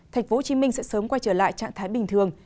tp hcm sẽ sớm quay trở lại trạng thái bình thường